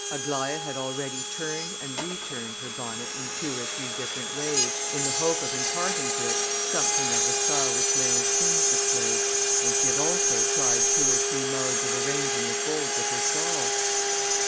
Aglaïa had already turned and returned her bonnet in two or three different ways, in the hope of imparting to it something of the style which Leontine's displayed, and she had also tried two or three modes of arranging the folds of her shawl.